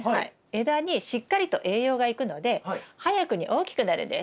枝にしっかりと栄養がいくので早くに大きくなるんです。